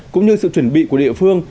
cũng như sự chuẩn bị của địa phương